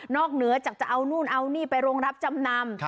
เหนือจากจะเอานู่นเอานี่ไปโรงรับจำนำ